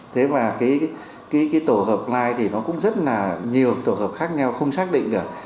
thế và cái tổ hợp fly thì nó cũng rất là nhiều tổ hợp khác nhau không xác định được